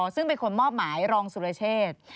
ซึ่งเป็นคนมอบหมายรองสุรเชษ